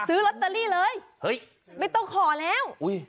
ซื้อลอตเตอรี่เลยเฮ้ยไม่ต้องขอแล้วอุ้ย